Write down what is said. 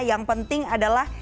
yang penting adalah